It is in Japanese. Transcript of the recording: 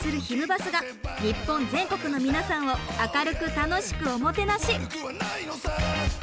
バスが日本全国の皆さんを明るく楽しくおもてなし。